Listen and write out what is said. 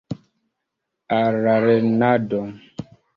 Al la lernado!